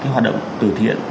hoạt động từ thiện